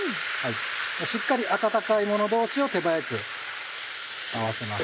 しっかり温かいもの同士を手早く合わせますね。